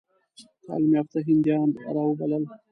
تعلیم یافته هندیان را وبلل.